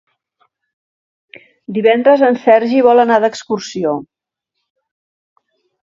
Divendres en Sergi vol anar d'excursió.